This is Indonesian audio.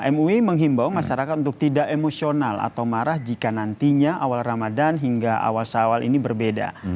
mui menghimbau masyarakat untuk tidak emosional atau marah jika nantinya awal ramadan hingga awal sawal ini berbeda